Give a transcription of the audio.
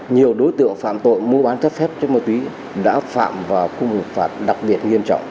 nhiều đối tượng phạm tội mua bán trái phép chất ma túy đã phạm vào khung hình phạt đặc biệt nghiêm trọng